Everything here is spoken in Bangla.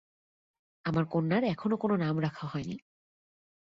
আমার কন্যার এখনো কোনো নাম রাখা হয়নি।